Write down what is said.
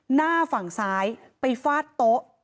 หน้าฝั่งซ้ายไปฟาดโต๊ะ